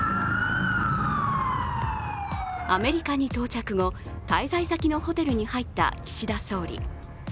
アメリカに到着後滞在先のホテルに入った岸田総理。